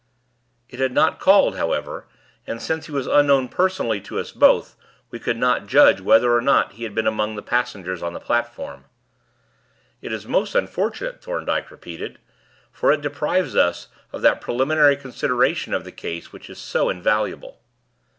He had not called, however, and, since he was unknown personally to us both, we could not judge whether or not he had been among the passengers on the platform. "It is most unfortunate," Thorndyke repeated, "for it deprives us of that preliminary consideration of the case which is so invaluable."